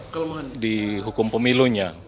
kelemahan di hukum pemilunya